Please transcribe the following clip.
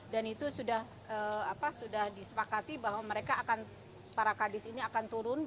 dan itu sudah disepakati bahwa mereka akan para kadis ini akan turun